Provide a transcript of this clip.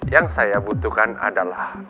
yang saya butuhkan adalah